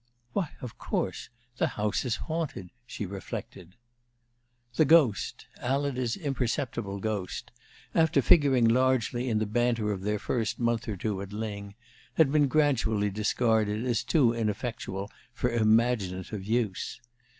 "Why, of course the house is haunted!" she reflected. The ghost Alida's imperceptible ghost after figuring largely in the banter of their first month or two at Lyng, had been gradually discarded as too ineffectual for imaginative use.